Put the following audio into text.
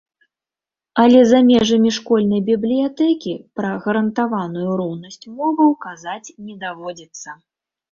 Але за межамі школьнай бібліятэкі пра гарантаваную роўнасць моваў казаць не даводзіцца.